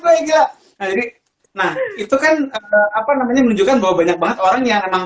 nah itu kan menunjukkan bahwa banyak banget orang yang emang